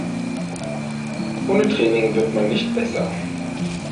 Ohne Training wird man nicht besser.